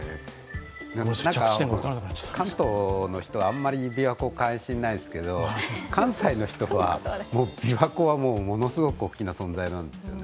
関東の人はあまり琵琶湖に関心ないですけど、関西の人は、琵琶湖はもうものすごく大きな存在なんですよね。